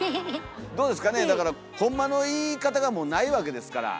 どうですかねだからほんまの言い方がないわけですから。